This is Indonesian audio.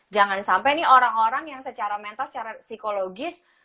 jangan sampai nih orang orang yang secara mental secara psikologis